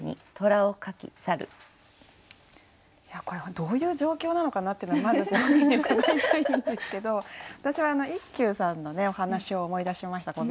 これどういう状況なのかなっていうのがまずご本人に伺いたいんですけど私は一休さんのお話を思い出しました。